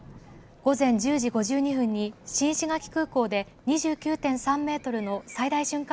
午前１０時５２分に新石垣空港で２９．３メートルの最大瞬間